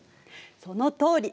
そのとおり！